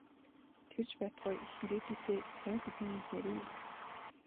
Тэр ч байтугай их ирээдүйтэй цөөн хэдэн инженерийн нэг.